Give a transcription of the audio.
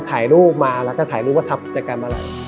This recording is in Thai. ถ่ายรูปมาแล้วก็ถ่ายรูปว่าทำกิจกรรมอะไร